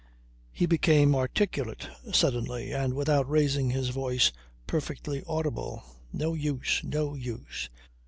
He became articulate suddenly, and, without raising his voice, perfectly audible. "No use! No use!